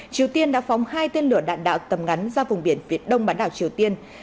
triều tiên đã phóng hai tên lửa đạn đạo tầm ngắn ra vùng biển việt đông bán đảo triều tiên